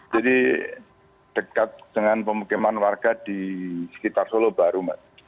jadi dekat dengan permukiman warga di sekitar solo baru mbak